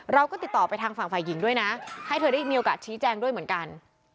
เราก็ติดต่อไปทางฝั่งฝ่ายหญิงด้วยนะให้เธอได้มีโอกาสชี้แจงด้วยเหมือนกัน